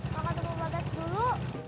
mau ke tempat bagas dulu